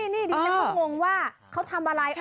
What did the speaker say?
อ๋อนี่แล้วก็งงว่าเขาทำอะไร